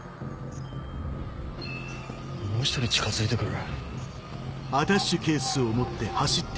もう１人近づいてくる。